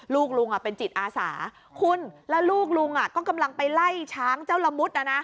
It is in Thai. ลุงเป็นจิตอาสาคุณแล้วลูกลุงก็กำลังไปไล่ช้างเจ้าละมุด